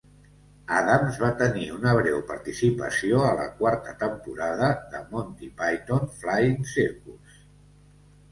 Adams va tenir una breu participació a la quarta temporada de "Monty Phyton's Flying Circus".